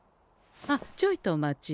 あっちょいとお待ちを。